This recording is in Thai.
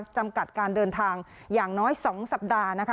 จำกัดการเดินทางอย่างน้อย๒สัปดาห์นะคะ